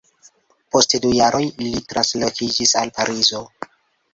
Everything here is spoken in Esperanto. Post du jaroj li translokiĝis al Parizo.